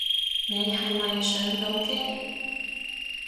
你係咪上到機